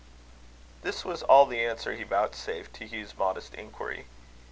This was all the answer he vouchsafed to Hugh's modest inquiry.